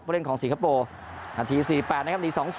เล่นของสิงคโปร์นาที๔๘นะครับหนี๒๐